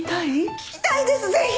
聞きたいですぜひ！